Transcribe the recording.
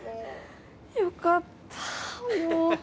よかったもう。